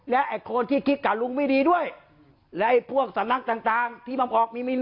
และไอ้คนที่คิดกับลุงไม่ดีด้วยและไอ้พวกสำนักต่างต่างที่มันออกมีไม่รู้